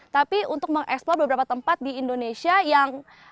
tapi untuk mengeksplor beberapa tempat di indonesia yang